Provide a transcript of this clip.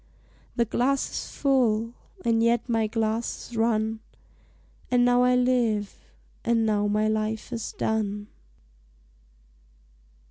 The glass is full, and yet my glass is run; And now I live, and now my life is done!